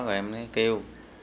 rồi em cứ kêu